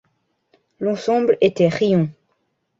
L’ensemble était riant.